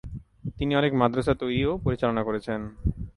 তিনি অনেক মাদ্রাসা তৈরি ও পরিচালনা করেছেন।